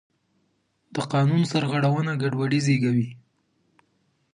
د قانون سرغړونه ګډوډي زېږوي